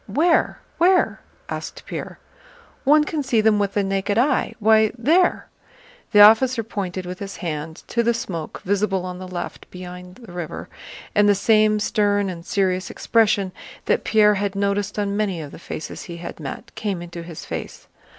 "Where? Where?" asked Pierre. "One can see them with the naked eye... Why, there!" The officer pointed with his hand to the smoke visible on the left beyond the river, and the same stern and serious expression that Pierre had noticed on many of the faces he had met came into his face.